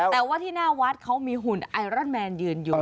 แต่ว่าที่หน้าวัดเขามีหุ่นไอรอนแมนยืนอยู่